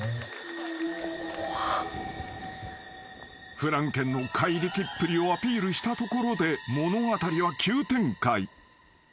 ［フランケンの怪力っぷりをアピールしたところで物語は急展開］